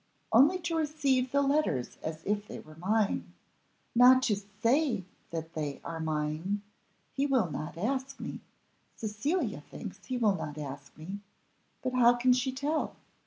only to receive the letters as if they were mine. Not to say that they are mine; he will not ask me, Cecilia thinks he will not ask me. But how can she tell?